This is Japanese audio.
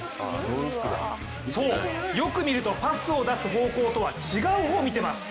よく見ると、パスを出す方向とは違う方を見ています。